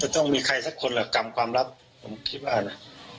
มันต้องมีใครสักคนละกำความลับผมคิดว่านะ